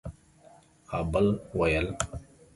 ها بل ويل